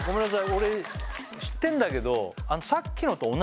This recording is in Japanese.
俺知ってるんだけどえ